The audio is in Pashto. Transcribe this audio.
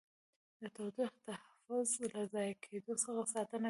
د تودوخې تحفظ له ضایع کېدو څخه ساتنه ده.